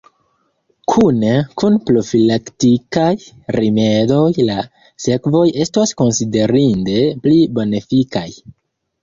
Kune kun profilaktikaj rimedoj la sekvoj estos konsiderinde pli bonefikaj.